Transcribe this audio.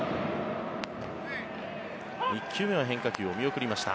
１球目は変化球を見送りました。